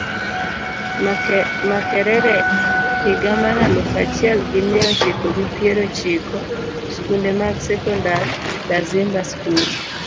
Makerere higa maraluf achiel gimiya chiko gi \piero chiko. Skunde mag sekondar, Dambiza School.